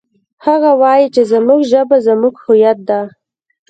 هغه وایي چې زموږ ژبه زموږ هویت ده